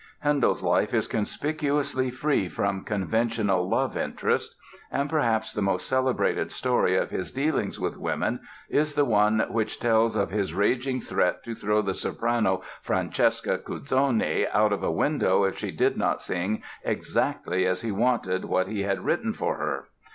Handel's life is conspicuously free from conventional "love interest"; and perhaps the most celebrated story of his dealings with women is the one which tells of his raging threat to throw the soprano, Francesca Cuzzoni, out of a window if she did not sing exactly as he wanted what he had written for her.